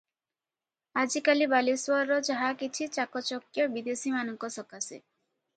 ଆଜିକାଲି ବାଲେଶ୍ୱରର ଯାହାକିଛି ଚାକଚକ୍ୟ ବିଦେଶୀମାନଙ୍କ ସକାଶେ ।